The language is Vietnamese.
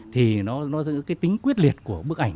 thì tính quyết liệt của bức ảnh